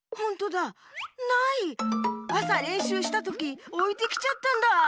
あされんしゅうしたときおいてきちゃったんだ。